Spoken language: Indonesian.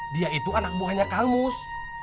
dia itu anak buahnya kang mus